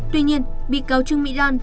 tuy nhiên bị cáo chứng mỹ lan